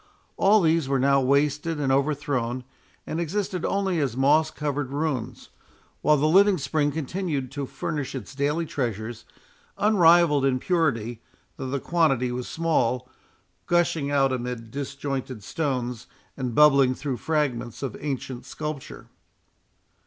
All these were now wasted and overthrown, and existed only as moss covered ruins, while the living spring continued to furnish its daily treasures, unrivalled in purity, though the quantity was small, gushing out amid disjointed stones, and bubbling through fragments of ancient sculpture.